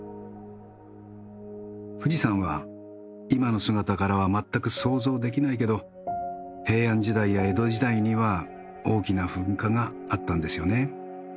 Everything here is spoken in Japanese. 富士山は今の姿からは全く想像できないけど平安時代や江戸時代には大きな噴火があったんですよね。